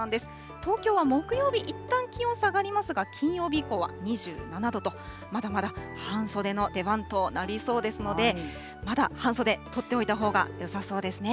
東京は木曜日、いったん気温下がりますが、金曜日以降は２７度と、まだまだ半袖の出番となりそうですので、まだ半袖、とっておいたほうがよさそうですね。